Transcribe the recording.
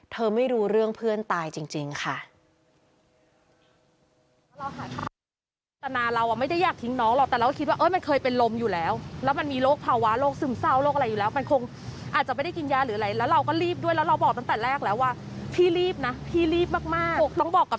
ไม่รู้เรื่องเพื่อนตายจริงค่ะ